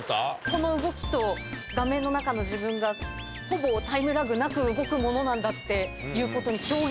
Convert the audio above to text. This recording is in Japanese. この動きと画面の中の自分がほぼタイムラグなく動くものなんだっていうことに。